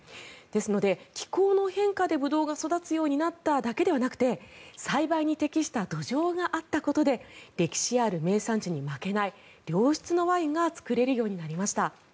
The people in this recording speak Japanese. ですので、気候の変化でブドウが育つようになっただけではなくて栽培に適した土壌があったことで歴史ある名産地に負けない良質なワインが作れるようになりました。